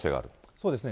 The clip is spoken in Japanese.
そうですね。